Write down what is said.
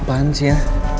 lu apaan sih ya